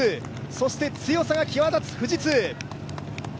そして強さが際立つ富士通。